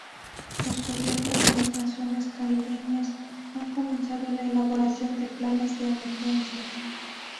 Los gobiernos de las naciones caribeñas han comenzado la elaboración de planes de emergencia.